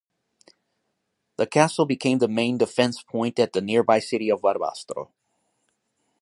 The castle became the main defense point of the nearby city of Barbastro.